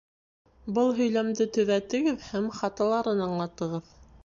Был һөйләмде төҙәтегеҙ һәм хаталарын аңлатығыҙ